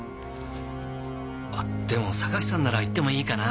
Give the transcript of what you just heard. あっでも榊さんなら言ってもいいかな。